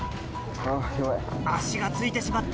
足がついてしまった。